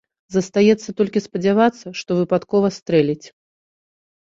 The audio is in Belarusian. Застаецца толькі спадзявацца, што выпадкова стрэліць.